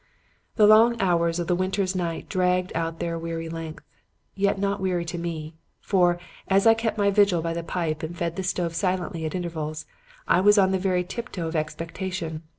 "The long hours of the winter's night dragged out their weary length. Yet not weary to me. For, as I kept my vigil by the pipe and fed the stove silently at intervals, I was on the very tip toe of expectation.